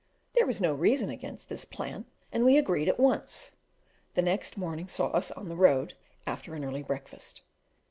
There was no reason against this plan, and we agreed at once; the next morning saw us on the road, after an early breakfast.